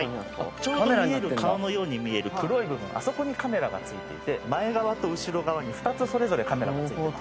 ちょうど見える顔のように見える黒い部分あそこにカメラが付いていて前側と後ろ側に２つそれぞれカメラが付いてます。